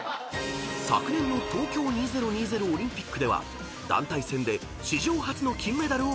［昨年の東京２０２０オリンピックでは団体戦で史上初の金メダルを獲得］